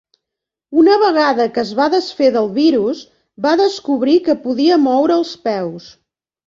Una vegada que es va desfer del virus, va descobrir que podia moure els peus.